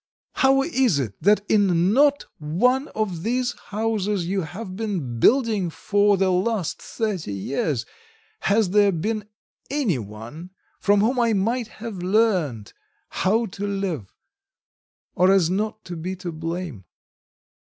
How is it that in not one of these houses you have been building for the last thirty years has there been anyone from whom I might have learnt how to live, so as not to be to blame?